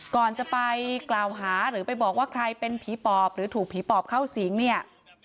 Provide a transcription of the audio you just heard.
ก่อนจะไปกล่าวหาหรือไปบอกว่าใครเป็นผีปอบหรือถูกผีปอบเข้าสิงเนี่ย